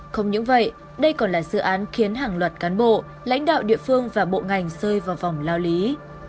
không những vậy đây còn là dự án khiến hàng loạt cán bộ lãnh đạo địa phương và bộ ngành rơi vào vòng lao lý